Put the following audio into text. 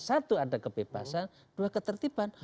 satu ada kebebasan dua ketertiban